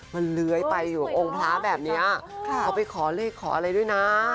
มันเลื้อยไปอยู่องค์พระแบบนี้เขาไปขอเลขขออะไรด้วยนะ